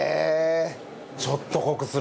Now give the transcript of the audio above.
ちょっと濃くするんだ。